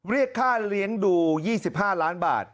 เรียกค่าเลี้ยงดู๒๕ล้านบาท